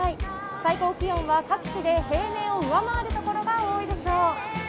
最高気温は各地で平年を上回る所が多いでしょう。